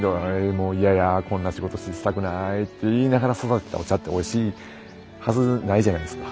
もう嫌やこんな仕事したくないって言いながら育てたお茶っておいしいはずないじゃないですか。